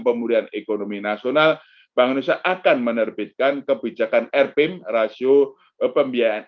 pemulihan ekonomi nasional bangun bisa akan menerbitkan kebijakan erpim rasio pembiayaan